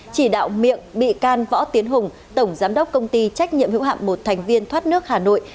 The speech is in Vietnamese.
chỉ đạo miệng bị can võ tiến hùng tổng giám đốc công ty trách nhiệm hữu hạm một thành viên thoát nước hà nội